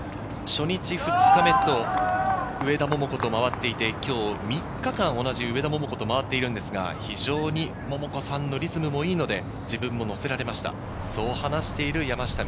初日、２日目と上田桃子と回っていて、今日、３日間、同じ上田桃子と回ってるんですが、非常に桃子さんのリズムもいいので、自分ものせられました。